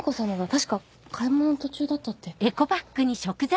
確か買い物の途中だったって。